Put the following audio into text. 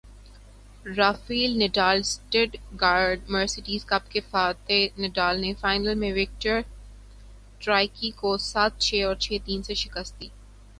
Rafale Nadal Stuttgart Mercedes cup کے فاتح Nadal نے فائنل میں وکٹر ٹرائیکی کو سات چھے اور چھے تین سے شکست دی